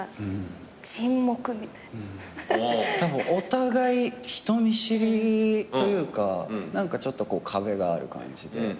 沈黙みたいな。お互い人見知りというか何かちょっと壁がある感じで。